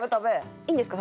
いいんですか？